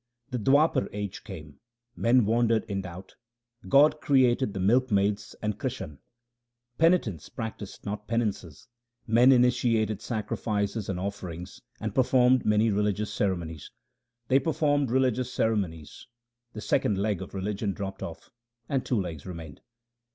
The Dwapar age came — men wandered in doubt ; God created the milkmaids and Krishan. Penitents practised not penances, men initiated sacrifices and offerings, and performed many religious ceremonies : They performed religious ceremonies ; the second leg of religion dropped off, and two legs remained.